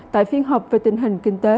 tại phiên họp về tình hình kinh tế